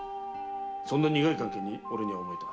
そんな苦い関係に俺には思えた。